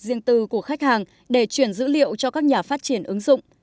riêng tư của khách hàng để chuyển dữ liệu cho các nhà phát triển ứng dụng